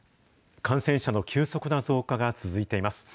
感染者の急速な増加が続いています。